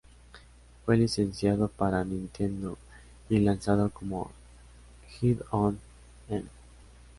Fue licenciado para Nintendo y lanzado como "Head On N".